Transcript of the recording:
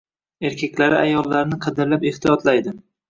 Erkaklari ayollarini qadrlab ehtiyotlaydi.